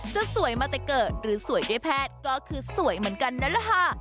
จะสวยมาแต่เกิดหรือสวยด้วยแพทย์ก็คือสวยเหมือนกันนั่นแหละค่ะ